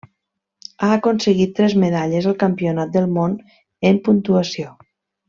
Ha aconseguit tres medalles al Campionat del món en puntuació.